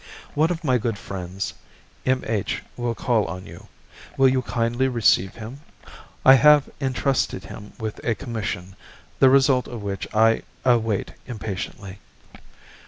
"One of my good friends, M. H., will call on you; will you kindly receive him? I have intrusted him with a commission, the result of which I await impatiently.